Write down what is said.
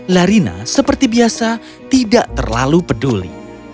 larina seperti biasa tidak terlalu peduli